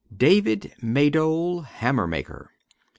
DAVID MAYDOLE, HAMMER MAKER.